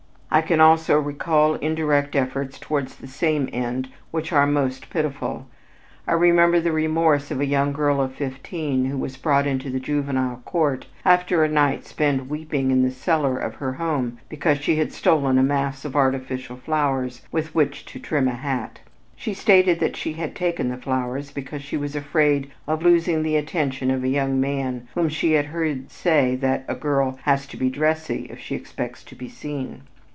I can also recall indirect efforts towards the same end which are most pitiful. I remember the remorse of a young girl of fifteen who was brought into the Juvenile Court after a night spent weeping in the cellar of her home because she had stolen a mass of artificial flowers with which to trim a hat. She stated that she had taken the flowers because she was afraid of losing the attention of a young man whom she had heard say that "a girl has to be dressy if she expects to be seen."